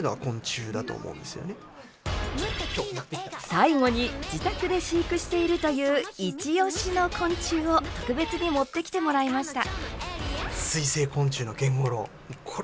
最後に自宅で飼育しているというイチおしの昆虫を特別に持ってきてもらいました。